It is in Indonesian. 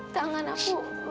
tangan aku afra